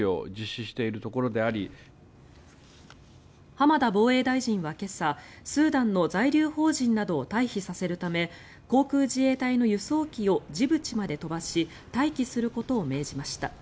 浜田防衛大臣は今朝スーダンの在留邦人などを対比させるため航空自衛隊の輸送機をジブチまで飛ばし待機することを命じました。